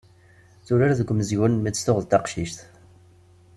Turar deg umezgun mi tt-tuɣ d taqcict.